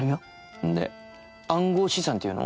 ほんで暗号資産っていうの？